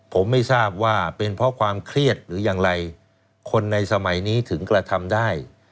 ผมไม่ทราบว่าเป็นเพราะความเครียดหรือยังไรคนในสมัยนี้ถึงกระทำได้